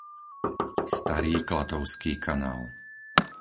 Starý Klatovský kanál